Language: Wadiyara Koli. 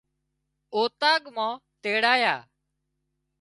اوطاق مان تيڙايا